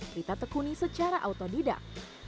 kita tekuni secara autodidak